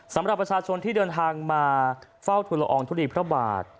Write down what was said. สำหรับประชาชนที่เดินทางมาเฝ้าทุลอองทุลีพระบาท